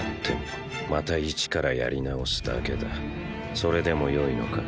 それでもよいのか？